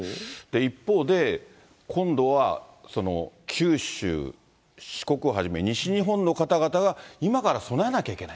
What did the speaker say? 一方で、今度は九州、四国をはじめ、西日本の方々が今から備えなきゃいけない。